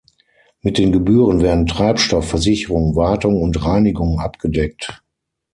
Mit den Gebühren werden Treibstoff, Versicherung, Wartung und Reinigung abgedeckt.